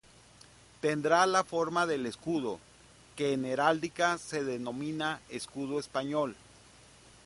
Tendrá la forma del escudo que en heráldica se denomina escudo español.